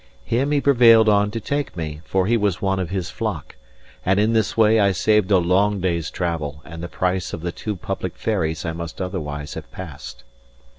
Him he prevailed on to take me, for he was one of his flock; and in this way I saved a long day's travel and the price of the two public ferries I must otherwise have passed.